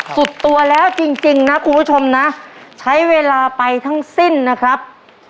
สุดตัวแล้วจริงนะคุณผู้ชมนะใช้เวลาไปทั้งสิ้นนะครับ